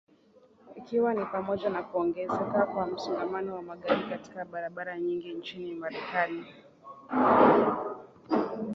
ikiwa ni pamoja na kuongezeka kwa msongamano wa magari katika barabara nyingi nchini marekani